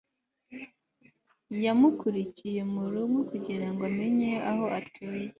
yamukurikiye mu rugo kugira ngo amenye aho atuye